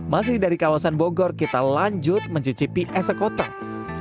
masih dari kawasan bogor kita lanjut mencicipi es sekotak